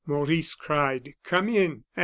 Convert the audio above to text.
Maurice cried: "Come in," and M.